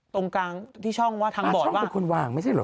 ตรงกลางที่ช่องว่าทางบอดว่าเป็นคนวางไม่ใช่เหรอ